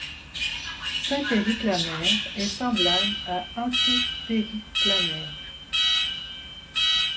Synpériplanaire est semblable à antipériplanaire.